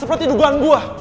seperti dugaan gue